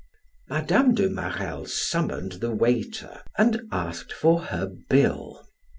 Mme. de Marelle summoned the waiter and asked for her bill.